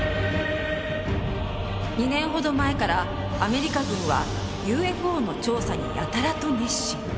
２年ほど前からアメリカ軍はＵＦＯの調査にやたらと熱心。